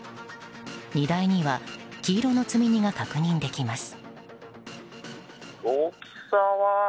荷台には黄色の積み荷が確認できます。